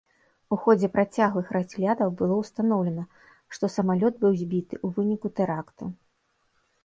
У ходзе працяглых разглядаў было ўстаноўлена, што самалёт быў збіты ў выніку тэракту.